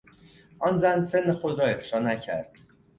آن زن سن خود را افشا نکرد.